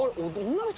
女の人？